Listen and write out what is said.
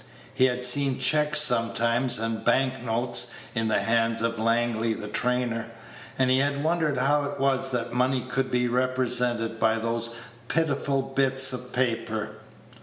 He had seen checks sometimes, and bank notes, in the hands of Langley, the trainer, and he had wondered how it was that money could be represented by those pitiful bits of paper.